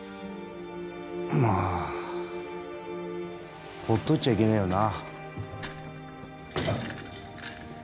まあほっといちゃいけねえよな